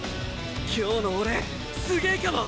今日の俺すげえかも！